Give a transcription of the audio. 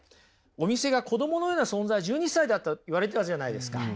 お店が子どものような存在１２歳だと言われたじゃないですか。